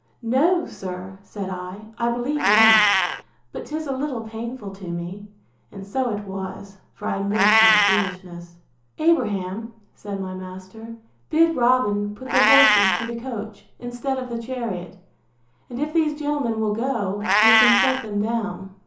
No, sir, said I, I believe not; but 'tis a little painful to me. And so it was; for I meant my foolishness! Abraham, said my master, bid Robin put the horses to the coach, instead of the chariot; and if these gentlemen will go, we can set them down.